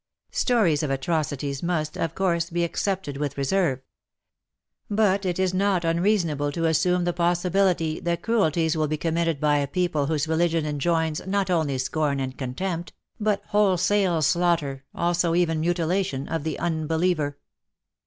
Stories of atrocities must, of course, be accepted with reserve. But it is not unreason able to assume the possibility that cruelties will be committed by a people whose religion enjoins not only scorn and contempt, but wholesale slaughter, also even mutilation, of the unbeliever.